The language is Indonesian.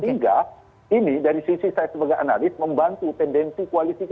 sehingga ini dari sisi saya sebagai analis membantu tendensi koalisi kita